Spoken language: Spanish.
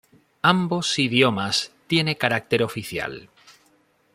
Ambos idiomas tiene carácter oficial.